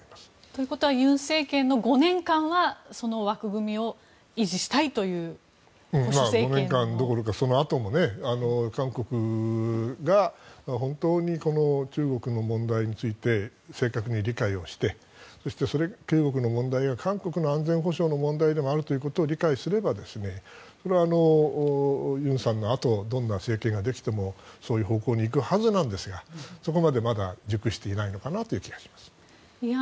ということは尹政権の５年間はその枠組みを５年間どころかそのあとも韓国が本当に中国の問題について正確に理解をしてその中国の問題が韓国の安全保障の問題でもあるということを理解すればこれは尹さんのあとどんな政権ができてもそういう方向に行くはずなんですがそこまでまだ熟していないのかなという気がします。